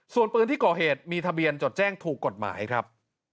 ส่วนปืนที่ก่อเหตุมีทะเบียนจดแจ้งถูกกฎหมายครับ